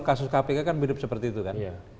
kasus kpk kan mirip seperti itu kan